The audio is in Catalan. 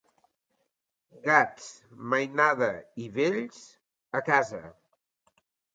Gats, mainada i vells, a casa.